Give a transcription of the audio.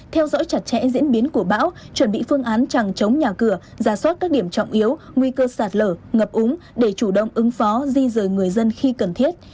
theo dõi chặt chẽ diễn biến của bão chuẩn bị phương án chẳng chống nhà cửa giả soát các điểm trọng yếu nguy cơ sạt lở ngập úng để chủ động ứng phó di rời người dân khi cần thiết